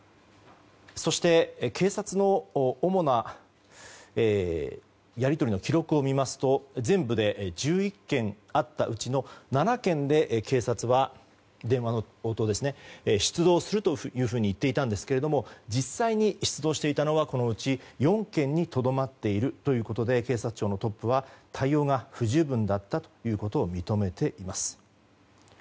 そして、警察の主なやり取りの記録を見ますと全部で、１１件あったうち７件で警察は電話の応答ですね、出動すると言っていたんですけども実際に出動していたのはこのうち４件にとどまっているということで警察庁のトップは対応が不十分だったということを認めています。